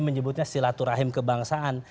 menyebutnya silaturahim kebangsaan